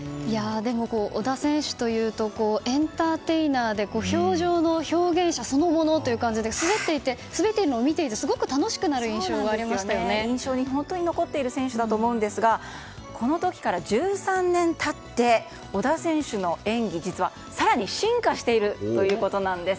織田選手というとエンターテイナーで氷上の表現者そのものという感じで滑っているのを見ていてすごく楽しくなる印象が本当に印象に残っている選手だと思うんですがこの時から１３年経って織田選手の演技が実は更に進化しているということです。